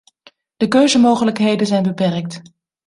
De keuzemogelijkheden zijn beperkt.